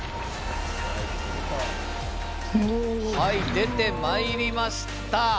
はい出てまいりました。